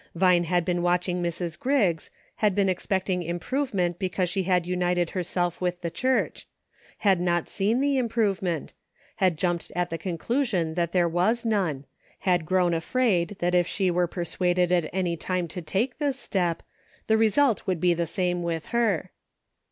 Vine had been watching Mrs. Griggs, had been expect ing improvement because she had united herself with the church ; had not seen the improvement — had jumped at the conclusion that there was none ;" WILL YUU ?" 2,7 had grown afraid that if she were persuaded at any time to take this step, the result would be the same with her.